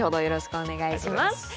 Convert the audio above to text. よろしくお願いします。